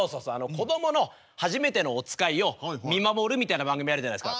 子供の初めてのお使いを見守るみたいな番組あるじゃないですか。